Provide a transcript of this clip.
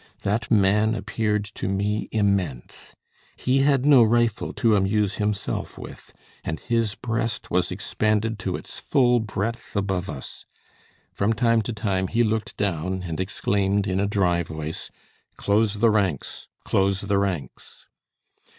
That man appeared to me immense. He had no rifle to amuse himself with, and his breast was expanded to its full breadth above us. From time to time, he looked down, and exclaimed in a dry voice: "Close the ranks, close the ranks!"